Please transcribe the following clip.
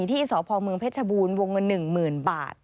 ที่สพเมืองเพชรบูรณ์วงเงิน๑๐๐๐บาท